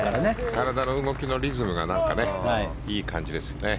体の動きのリズムがいい感じですよね。